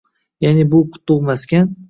Ya’ni, bu qutlug‘ maskan.